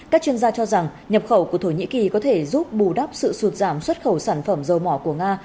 các chuyên gia cho rằng nhập khẩu của thổ nhĩ kỳ có thể giúp bù đắp sự sụt giảm xuất khẩu sản phẩm dầu mỏ của nga